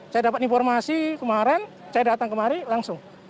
saya dapat informasi kemarin saya datang kemari langsung